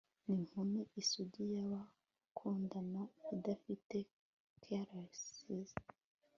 Ninkumi isugi yabakundana idafite caresses